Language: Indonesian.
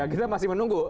kita masih menunggu